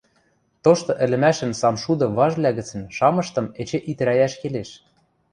Тошты ӹлӹмӓшӹн самшуды важвлӓ гӹцӹн шамыштым эче итӹрӓйӓш келеш.